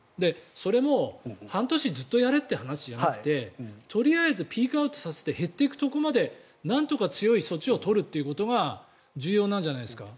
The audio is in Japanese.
それも半年ずっとやれということじゃなくてとりあえずピークアウトさせて減っていくところまでなんとか強い措置を取るということが重要なんじゃないですか？